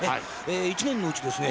１年のうちですね